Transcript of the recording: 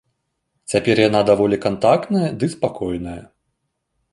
Цяпер яна даволі кантактная ды спакойная.